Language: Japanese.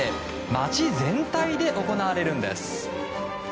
街全体で行われるんです。